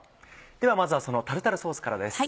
ではまずはそのタルタルソースからです。